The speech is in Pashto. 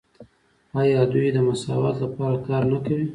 آیا دوی د مساوات لپاره کار نه کوي؟